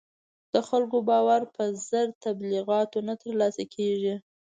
د خلکو باور په زر تبلیغاتو نه تر لاسه کېږي.